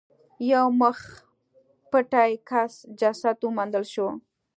یو مخ پټي کس جسد وموندل شو.